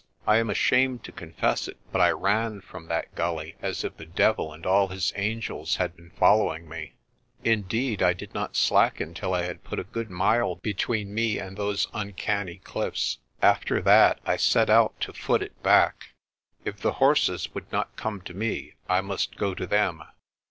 I am ashamed to confess it, but I ran from that gully as if the devil and all his angels had been following me. Indeed 66 PRESTER JOHN I did not slacken till I had put a good mile between me and those uncanny cliffs. After that I set out to fool it back. If the horses would not come to me I must go to them.